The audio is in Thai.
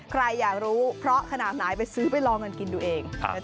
ใครอยากรู้เพราะขนาดไหนไปซื้อไปลองกันกินดูเอง